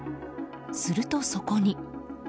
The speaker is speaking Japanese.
すると、そこに。